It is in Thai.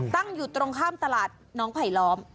ตั้งอยู่ตรงข้ามตลาดน้องไผลล้อม